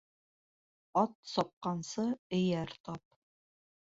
Ат сапҡансы, эйәр тап.